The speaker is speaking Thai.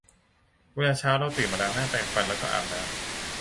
เวลาเช้าเราก็ตื่นมาล้างหน้า แปรงฟัน แล้วก็อาบน้ำ